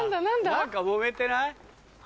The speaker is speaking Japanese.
何かモメてない？